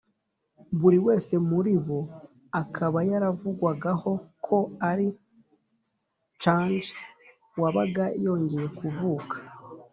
buri wese muri bo akaba yaravugwagaho ko ari chang wabaga yongeye kuvuka.